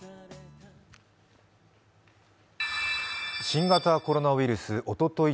新型コロナウイルスおととい